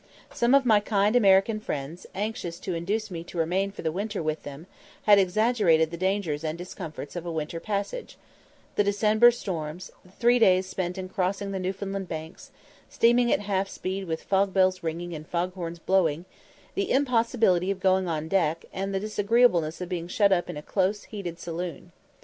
Some of my kind American friends, anxious to induce me to remain for the winter with them, had exaggerated the dangers and discomforts of a winter passage; the December storms, the three days spent in crossing the Newfoundland Banks, steaming at half speed with fog bells ringing and foghorns blowing, the impossibility of going on deck, and the disagreeableness of being shut up in a close heated saloon.